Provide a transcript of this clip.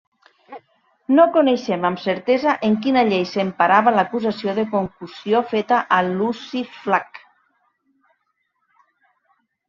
No coneixem amb certesa en quina llei s’emprava l’acusació de concussió feta a Luci Flac.